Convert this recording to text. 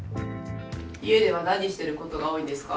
家では何してることが多いんですか？